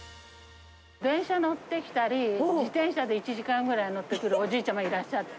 電車乗ってきたり、自転車で１時間ぐらい乗ってくるおじいちゃんもいらっしゃって。